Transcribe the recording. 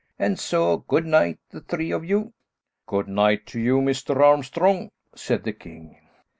And so, good night, the three of you." "Good night to you, Mr. Armstrong," said the king.